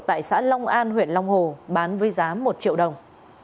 tại xã long an huyện long hồ bán với giá một triệu đồng